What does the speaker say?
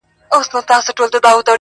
هسې رنګ د جمیعت لټون پکار دی